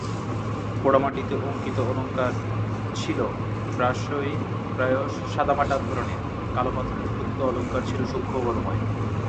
পোড়ামাটিতে অঙ্কিত অলঙ্কার ছিল প্রায়শ সাদামাটা ধরনের, কালো পাথরে খোদিত অলঙ্কার ছিল সূক্ষ্ম কারুময়।